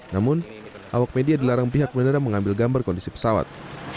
namun awak media dilarang pihak bandara mengambil gambar kondisi pesawat